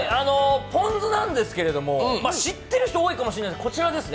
ポン酢なんですけど、知ってる人多いかもしれないですけど、こちらです。